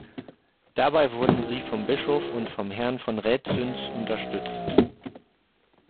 Dabei wurden sie vom Bischof und vom Herrn von Rhäzüns unterstützt.